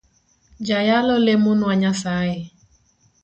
Jayalo lemonwa nyasaye.